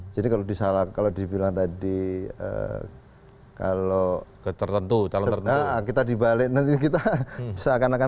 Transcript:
jadi kalau disalahkan kalau dibilang tadi kalau tertentu kita dibalik nanti kita bisa akan akan